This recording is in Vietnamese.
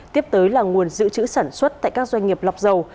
tiếp tới là nguồn dự trữ sản xuất tại các doanh nghiệp lọc dầu